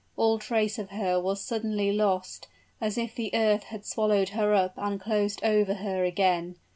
All trace of her was suddenly lost, as if the earth had swallowed her up and closed over her again!